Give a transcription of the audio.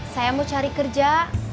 saya mau cari kerja